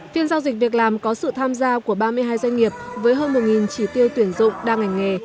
phiên giao dịch việc làm có sự tham gia của ba mươi hai doanh nghiệp với hơn một chỉ tiêu tuyển dụng đa ngành nghề